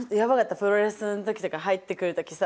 プロレスの時とか入ってくる時さ